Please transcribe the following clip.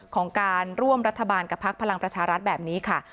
ของการร่วมรัฐบาลกับพักพลังประชารัฐแบบนี้ค่ะ